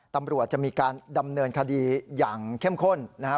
ตำรวจจะมีการดำเนินคดีอย่างเข้มข้นนะครับ